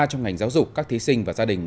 trong ngành giáo dục các thí sinh và gia đình